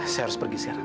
saya harus pergi sekarang